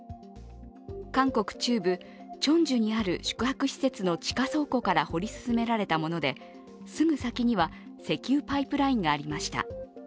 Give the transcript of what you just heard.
韓国中部・チョンジュにある宿泊施設の地下倉庫から掘り進められたもので、すぐ先には石油パイプラインがありました。